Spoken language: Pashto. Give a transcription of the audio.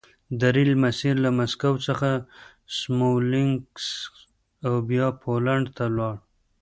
د ریل مسیر له مسکو څخه سمولینکس او بیا پولنډ ته و